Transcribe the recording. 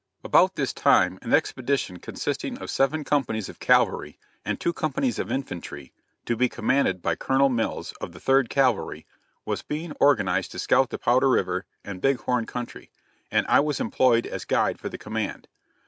About this time an expedition consisting of seven companies of cavalry and two companies of infantry to be commanded by Colonel Mills of the Third Cavalry, was being organized to scout the Powder River and Big Horn country, and I was employed as guide for the command.